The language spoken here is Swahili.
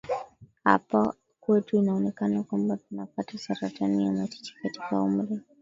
hapa kwetu inaonekana kwamba tunapata saratani ya matiti katika umri